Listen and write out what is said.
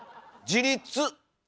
自立！